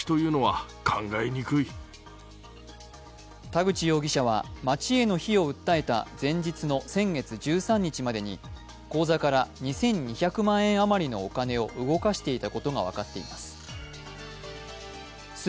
田口容疑者は町への非を訴えた前日の先月１３日までに口座から２２００万円あまりのお金を動かしていたことが分かっています。